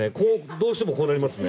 どうしてもこうなりますね。